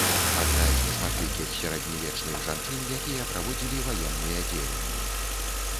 Адна з нешматлікіх сярэднявечных жанчын, якія праводзілі ваенныя дзеянні.